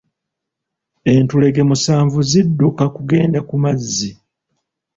Entulege musaanvu zidduka kugenda ku mazzi.